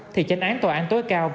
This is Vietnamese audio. thì tranh án tòa án tối cao